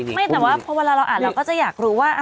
ไม่แต่ว่าพอเวลาเราอ่านเราก็จะอยากรู้ว่า